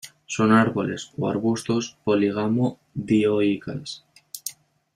Son árboles o arbustos, Polígamo-dioicas.